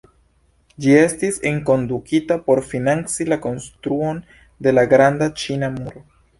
Ĝi estis enkondukita por financi la konstruon de la Granda Ĉina Muro.